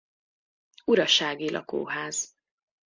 Urasági lakóház.